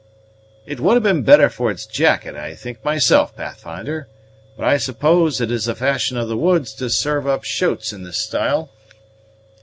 "It would have been better for its jacket, I think myself, Pathfinder; but I suppose it is a fashion of the woods to serve up shoats in this style."